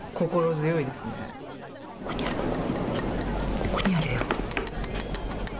ここにあるよ。